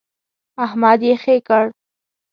احمد يې خې کړ.